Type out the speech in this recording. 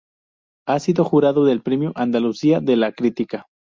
Ha sido Jurado del Premio Andalucía de la Crítica.